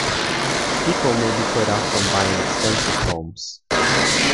People may be put off from buying expensive homes.